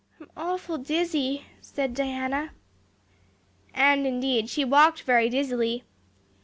"I'm awful dizzy," said Diana. And indeed, she walked very dizzily.